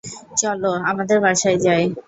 চলো, আমাদের বাসায় যাই।